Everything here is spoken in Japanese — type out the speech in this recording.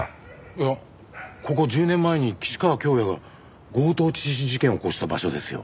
いやここ１０年前に岸川恭弥が強盗致死事件を起こした場所ですよ。